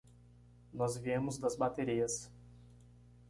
Nós viemos das baterias.